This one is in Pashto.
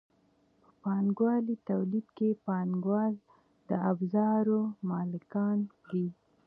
په پانګوالي تولید کې پانګوال د ابزارو مالکان دي.